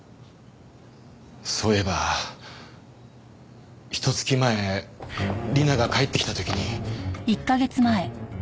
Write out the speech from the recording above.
そういえばひと月前理奈が帰ってきた時に。